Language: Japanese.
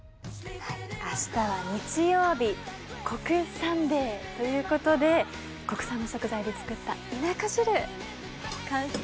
明日は日曜日。ということで国産の食材で作った田舎汁完成です。